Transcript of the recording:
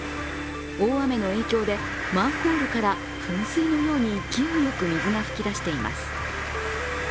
大雨の影響でマンホールから噴水のように、勢いよく水が噴き出しています。